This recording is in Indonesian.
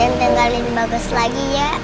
jangan tinggalin bagus lagi ya